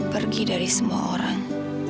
pergi dari semua orang